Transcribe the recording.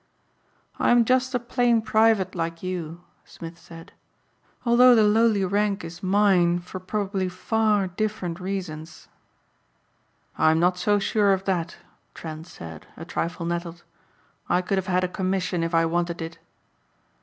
"I'm just a plain private like you," Smith said, "although the lowly rank is mine for probably far different reasons." "I'm not so sure of that," Trent said, a trifle nettled. "I could have had a commission if I wanted it."